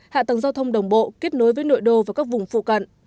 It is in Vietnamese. hạ tầng giao thông đồng bộ kết nối với nội đô và các vùng phụ cận